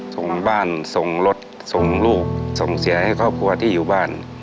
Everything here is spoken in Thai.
ส่งบ้านส่งรถส่งลูกส่งเสียให้ครอบครัวที่อยู่บ้าน